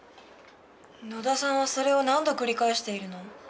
野田さんはそれを何度繰り返しているの？